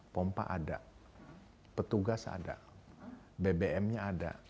pompa ada petugas ada bbm nya ada